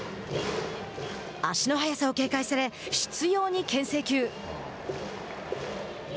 足の速さを警戒され執ようにけん制球。